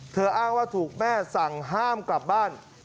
อ้างว่าถูกแม่สั่งห้ามกลับบ้าน